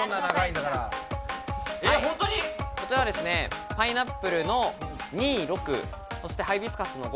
こちらはパイナップルの２６、そしてハイビスカスの５。